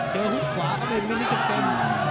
เจอฮุกขวาก็เป็นไม่ได้เจ็บเต็ม